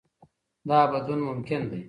دا بدلون ممکن دی.